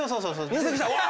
「入籍した！わ！」